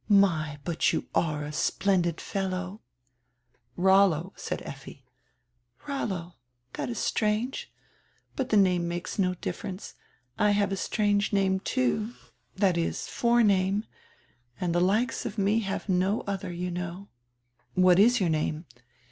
My, but you are a splendid fellow!" "Rollo," said Effi. "Rollo; that is strange. But die name makes no differ ence. I have a strange name, too, that is, forename. And die likes of me have no other, you know." "What is your name?"